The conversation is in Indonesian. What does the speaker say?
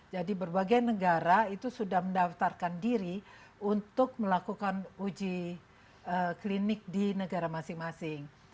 berbagai negara itu sudah mendaftarkan diri untuk melakukan uji klinik di negara masing masing